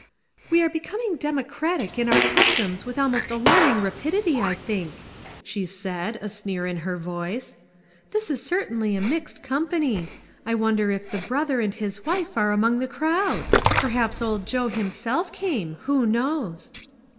" We are becoming democratic in our 98 ONE COMMONPLACE DAY. customs with almost alarming rapidity, I think," she said, a sneer in her voice. "This is certainly a mixed company. I wonder if the brother and his wife are among the crowd? Perhaps Old Joe him self came ; who knows